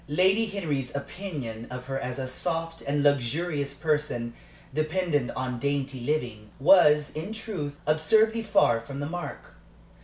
Lady Henry's opinion of her as a soft and luxurious person dependent on dainty living was, in truth, absurdly far from the mark.